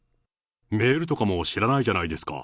メールとかも知らないじゃないですか。